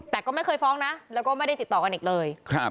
แต่ก็ไม่เคยฟ้องนะแล้วก็ไม่ได้ติดต่อกันอีกเลย